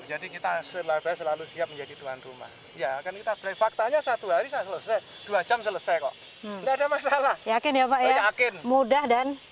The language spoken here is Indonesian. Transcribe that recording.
jadi kita selalu siap menjadi tuan rumah